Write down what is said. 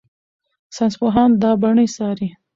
ساینسپوهان دا بڼې څاري.